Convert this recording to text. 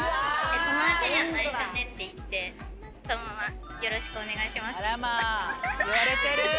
友達には内緒ねって言って、そのまま、よろしくお願いします